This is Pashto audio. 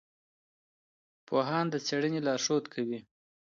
پوهان د څېړنې لارښود کوي.